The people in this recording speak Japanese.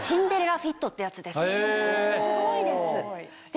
すごいです。